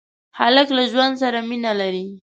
هلک له ژوند سره مینه لري.